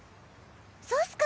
そうっスか。